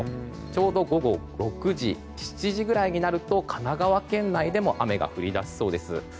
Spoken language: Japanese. ちょうど午後６時、７時ぐらいになると神奈川県内でも雨が降り出しそうです。